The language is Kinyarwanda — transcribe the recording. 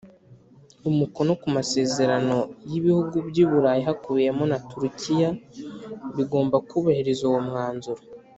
umukono ku masezerano y ibihugu by i Burayi hakubiyemo na Turukiya bigomba kubahiriza uwo mwanzuro